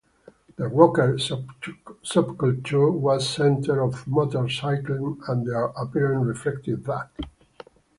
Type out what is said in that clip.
The rocker subculture was centred on motorcycling, and their appearance reflected that.